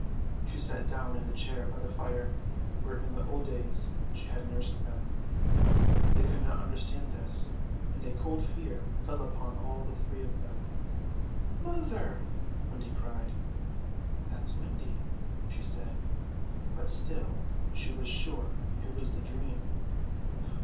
She sat down in the chair by the fire, where in the old days she had nursed them. They could not understand this, and a cold fear fell upon all the three of them. "Mother!" Wendy cried. "That's Wendy," she said, but still she was sure it was the dream.